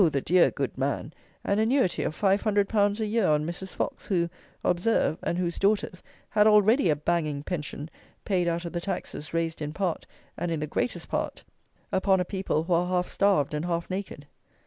the dear good man!), an annuity of 500_l._ a year on Mrs. Fox, who, observe, and whose daughters, had already a banging pension, paid out of the taxes, raised in part, and in the greatest part, upon a people who are half starved and half naked.